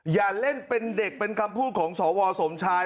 อย่าเล่นเป็นเด็กเป็นคำพูดของสวสมชาย